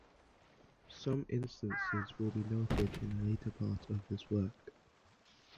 Some instances will be noted in a later part of this work.